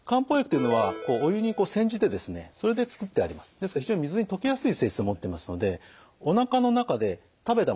ですから非常に水に溶けやすい性質を持っていますのでおなかの中で食べたもの